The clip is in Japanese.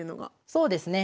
そうですね。